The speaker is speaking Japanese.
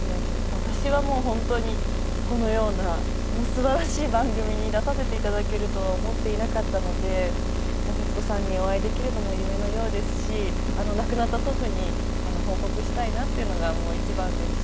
私はもう本当にこのようなすばらしい番組に出させて頂けるとは思っていなかったので徹子さんにお会いできるのも夢のようですし亡くなった祖父に報告したいなっていうのが一番ですし。